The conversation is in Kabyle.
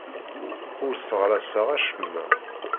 Ur sseɣraseɣ acemma.